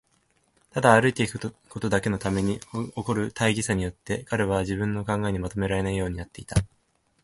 ただ歩いていくことだけのために起こる大儀さによって、彼は自分の考えをまとめられないようになっていた。